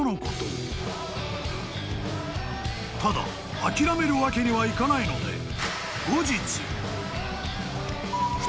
［ただ諦めるわけにはいかないので］